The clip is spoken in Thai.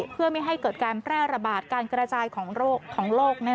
เพื่อไม่ให้เกิดการแพร่ระบาดการกระจายของโลก